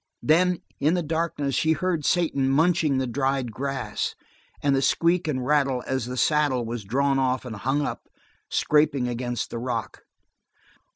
And then, in the darkness, she heard Satan munching the dried grass, and the squeak and rattle as the saddle was drawn off and hung up, scraping against the rock.